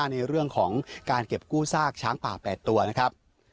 ในเรื่องของการเก็บกู้ซากช้างป่า๘ตัวนะครับ